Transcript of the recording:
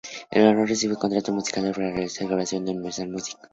El ganador recibe un contrato musical para realizar una grabación con Universal Music.